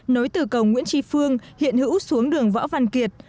nối từ cầu nguyễn tri phương hiện hữu xuống đường võ văn kiệt